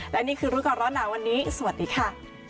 และนี่คือรู้ก่อนร้อนหนาวันนี้สวัสดีค่ะ